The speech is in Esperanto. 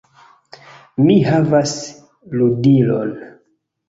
Mi havas ludilon!